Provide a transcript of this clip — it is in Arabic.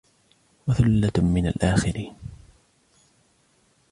وَثُلَّةٌ مِّنَ الآخِرِينَ